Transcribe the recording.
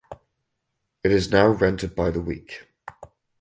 It is now rented by the week.